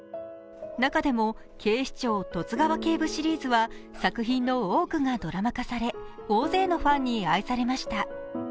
中でも警視庁「十津川警部」シリーズは作品の多くがドラマ化され大勢のファンに愛されました。